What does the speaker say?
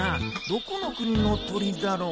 どこの国の鳥だろ？